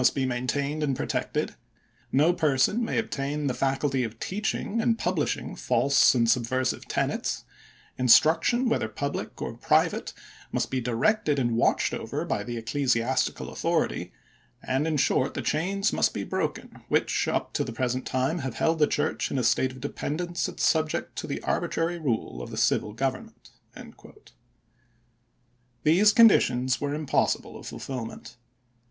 be maintained and protected ; no person may obtain the faculty of teaching and publishing false and subversive tenets; instruction, whether public or private, must be directed and watched over by the ecclesiastical authority; and, in short, the chains must be broken which up to the present time have "cycioal held the church in a state of dependence and sub let? pa'526. ject to the arbitrary rule of the civil government." These conditions were impossible of fulfilment.